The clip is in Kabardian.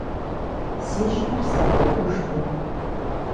Си щхьэр сфӀэӀуэхужкъым.